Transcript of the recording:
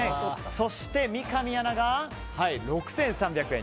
そして三上アナが６３００円。